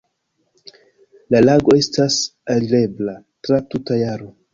La lago estas alirebla tra tuta jaro.